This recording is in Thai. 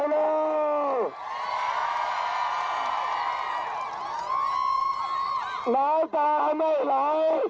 แล้วตามไม่หลาย